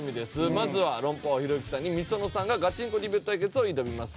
まずは論破王ひろゆきさんにｍｉｓｏｎｏさんがガチンコディベート対決を挑みます。